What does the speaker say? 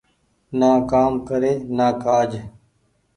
نآ ڪآم ڪري نآ ڪآج۔